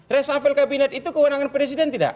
resafel kabinet itu kewenangan presiden tidak